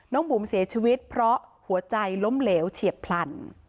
บุ๋มเสียชีวิตเพราะหัวใจล้มเหลวเฉียบพลัน